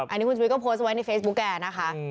อันนี้คุณชุวิตก็โพสต์ไว้ในเฟซบุ๊กแกนะคะ